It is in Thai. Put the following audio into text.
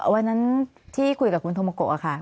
วันนั้นที่คุยกับคุณโทโมโกะค่ะ